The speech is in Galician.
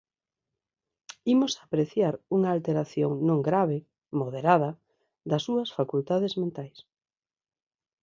Imos apreciar unha alteración non grave, moderada, das súas facultades mentais.